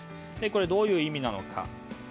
これ、どういう意味なのか。